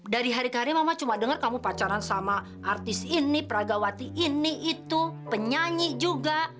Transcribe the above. dari hari ke hari mama cuma dengar kamu pacaran sama artis ini pragawati ini itu penyanyi juga